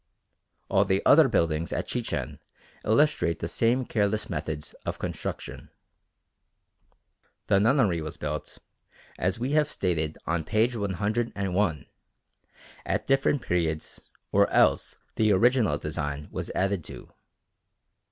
All the other buildings at Chichen illustrate the same careless methods of construction. The Nunnery was built, as we have stated on page 101, at different periods or else the original design was added to.